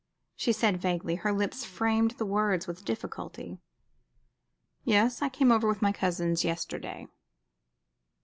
she said, vaguely. Her lips framed the words with difficulty. "Yes. I came over with my cousins yesterday."